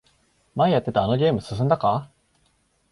前やってたあのゲーム進んだか？